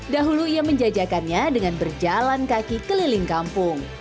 dahulu ia menjajakannya dengan berjalan kaki keliling kampung